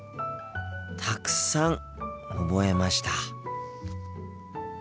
たくさん覚えました。